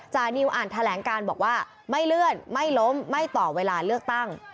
จานิวอ่านแถลงการบอกว่าไม่เลื่อนไม่ล้มไม่ต่อเวลาเลือกตั้ง